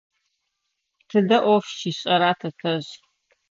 Тыдэ ӏоф щишӏэра тэтэжъ?